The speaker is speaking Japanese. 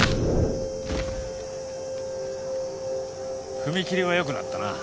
踏み切りは良くなったな。